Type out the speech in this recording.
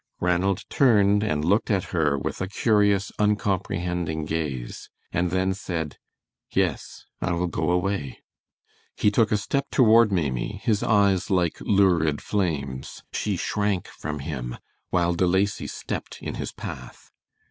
Ranald turned and looked at her with a curious uncomprehending gaze, and then said, "Yes, I will go away." He took a step toward Maimie, his eyes like lurid flames. She shrank from him, while De Lacy stepped in his path.